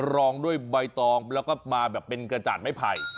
รองด้วยใบตองแล้วก็มาแบบเป็นกระจาดไม้ไผ่